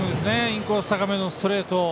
インコース高めのストレートを。